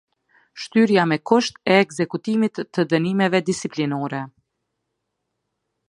Shtyrja me kusht e ekzekutimit të dënimeve disiplinore.